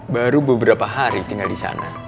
baru beberapa hari tinggal disana